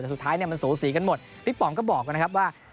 แต่สุดท้ายเนี่ยมันสูสีกันหมดพี่ป๋องก็บอกนะครับว่า